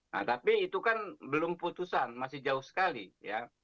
nah tapi itu kan belum putusan masih jauh sekali ya